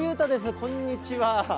こんにちは。